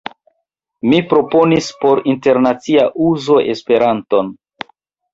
Mi proponis por internacia uzo Esperanton.